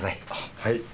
はい。